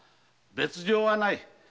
別状はない。